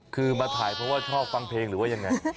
คือมาถ่ายเพราะว่าชอบฟังเพลงหรือว่ายังไง